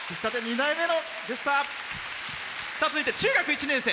続いて中学１年生。